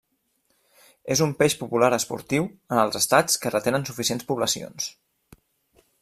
És un peix popular esportiu, en els Estats que retenen suficients poblacions.